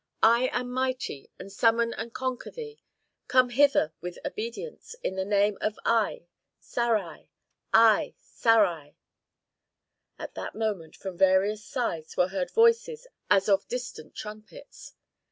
I am mighty, and summon and conjure thee. Come hither with obedience, in the name of Aye, Saraye, Aye, Saraye!" At that moment from various sides were heard voices as of distant trumpets.